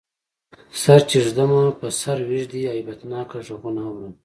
سر چی ږدمه په سر ویږدی، هیبتناک غږونه اورم